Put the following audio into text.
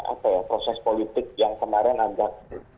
apa ya proses politik yang kemarin agak